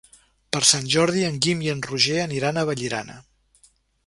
Per Sant Jordi en Guim i en Roger aniran a Vallirana.